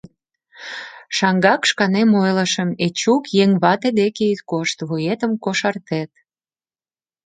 Шаҥгак шканем ойлышым: «Эчук, еҥ вате деке ит кошт, вуетым кошартет».